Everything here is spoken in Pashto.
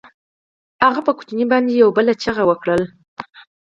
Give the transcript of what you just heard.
هغه په ماشومې باندې يوه بله چيغه وکړه.